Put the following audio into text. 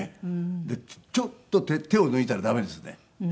でちょっと手を抜いたら駄目ですね。